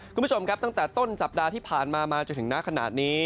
คุณผู้ชมครับตั้งแต่ต้นสัปดาห์ที่ผ่านมามาจนถึงหน้าขนาดนี้